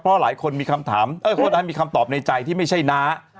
เพราะหลายคนมีคำตอบในใจที่ไม่ใช่หนา